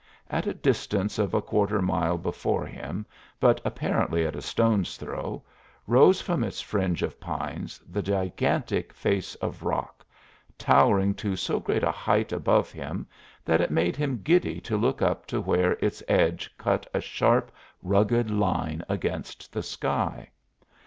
At a distance of a quarter mile before him, but apparently at a stone's throw, rose from its fringe of pines the gigantic face of rock, towering to so great a height above him that it made him giddy to look up to where its edge cut a sharp, rugged line against the sky.